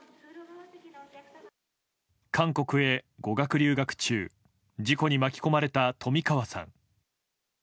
韓国へ語学留学中事故に巻き込まれた冨川さん。